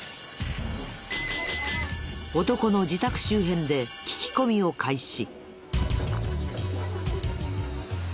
男の自宅周辺で聞き込みを開始。